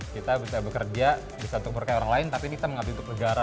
kita bisa bekerja bisa untuk berkaya orang lain tapi kita mengabdi untuk negara